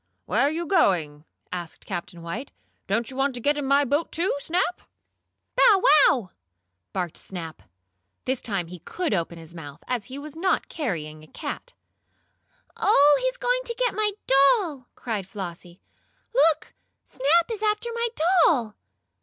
"Where are you going?" asked Captain White. "Don't you want to get in my boat, too, Snap?" "Bow wow!" barked Snap. This time he could open his mouth, as he was not carrying a cat. "Oh, he's going to get my doll!" cried Flossie. "Look, Snap is after my doll!"